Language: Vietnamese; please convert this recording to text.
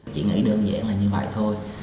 chỉ nghĩ đơn giản là như vậy thôi